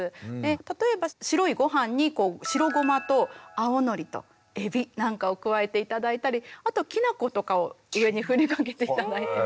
例えば白いごはんに白ごまと青のりとえびなんかを加えて頂いたりあときなことかを上にふりかけて頂いても。